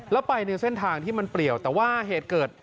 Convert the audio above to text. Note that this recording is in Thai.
แล้วไปในเส้นทางที่มันเปลี่ยวแต่ว่าเหตุเกิด